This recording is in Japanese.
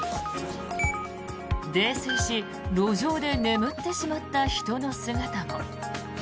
泥酔し路上で眠ってしまった人の姿も。